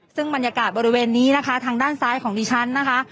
ซึ่งบรรยากาศบริเวณนี้นะคะทางด้านซ้ายของดิฉันนะคะ